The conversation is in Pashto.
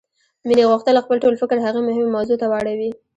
مينې غوښتل خپل ټول فکر هغې مهمې موضوع ته واړوي.